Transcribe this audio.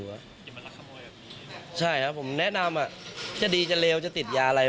อย่างทำงานอยู่ใช่ครับผมแนะนำอ่ะจะดีจะเลวจะติดยาอะไร